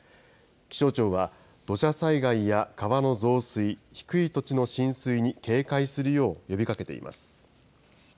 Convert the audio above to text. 気象庁は、土砂災害や川の増水、低い土地の浸水に警戒するよう呼びかけています。